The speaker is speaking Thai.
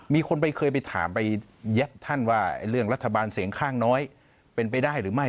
มีคนไปเคยไปถามไปแยบท่านว่าเรื่องรัฐบาลเสียงข้างน้อยเป็นไปได้หรือไม่